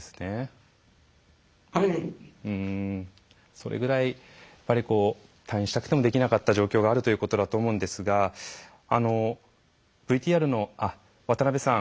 それぐらい退院したくてもできなかった状況があるということだと思うんですが渡邉さん